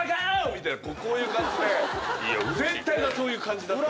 みたいなこういう感じで全体がそういう感じだった。